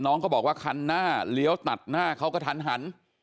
เขาบอกว่าคันหน้าเลี้ยวตัดหน้าเขาก็ทันหัน